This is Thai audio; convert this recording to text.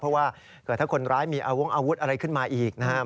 เพราะว่าเกิดถ้าคนร้ายมีอาวงอาวุธอะไรขึ้นมาอีกนะครับ